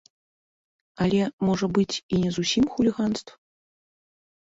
Але, можа быць, і не зусім хуліганства.